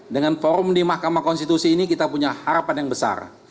dengan forum di mahkamah konstitusi ini kita punya harapan yang besar